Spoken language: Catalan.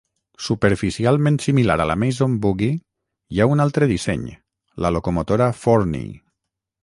Superficialment similar a la Mason Bogie hi ha un altre disseny, la locomotora Forney.